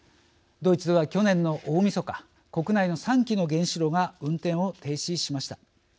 ドイツでは去年の大晦日国内の３基の原子炉が運転を停止しました。